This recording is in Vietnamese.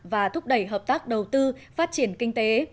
và thúc đẩy hợp tác đầu tư phát triển kinh tế